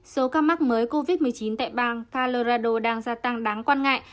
số ca mắc mới covid một mươi chín tại bang calirador đang gia tăng đáng quan ngại